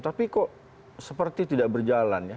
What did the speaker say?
tapi kok seperti tidak berjalan ya